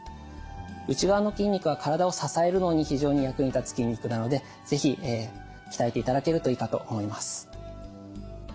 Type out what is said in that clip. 内側の筋肉は体を支えるのに非常に役に立つ筋肉なので是非鍛えていただけるといいかと思います。